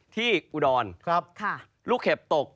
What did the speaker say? ที่อุดรลูกเข็บตก